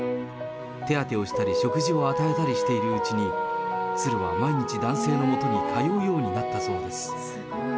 手当てをしたり食事を与えたりしているうちに、鶴は毎日、男性のもとに通うようになったそうです。